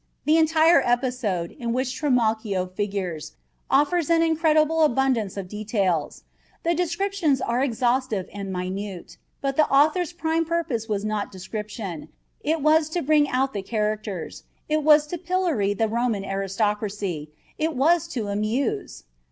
The entire episode, in which Trimalchio figures, offers an incredible abundance of details. The descriptions are exhaustive and minute, but the author's prime purpose was not description, it was to bring out the characters, it was to pillory the Roman aristocracy, it was to amuse!